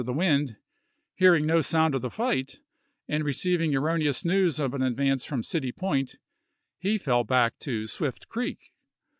of the wind, hearing no sound of the fight, and re ceiving erroneous news of an advance from City Point, he fell back to Swift Creek.